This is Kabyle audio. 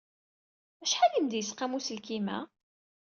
Acḥal ay am-d-yesqam uselkim-a?